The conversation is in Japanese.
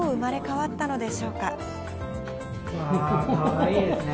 わー、かわいいですね。